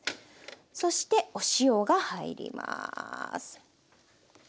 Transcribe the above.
そしてお塩が入ります。